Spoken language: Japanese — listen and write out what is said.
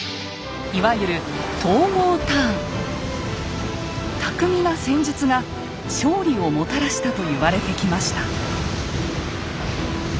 いわゆる巧みな戦術が勝利をもたらしたと言われてきました。